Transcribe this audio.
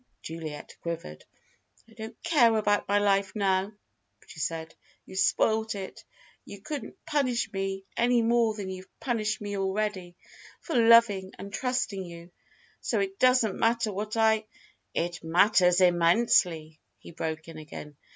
Juliet quivered. "I don't care about my life now," she said. "You've spoilt it. You couldn't punish me any more than you've punished me already for loving and trusting you. So it doesn't matter what I " "It matters immensely," he broke in again.